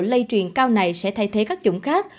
lây truyền cao này sẽ thay thế các chủng khác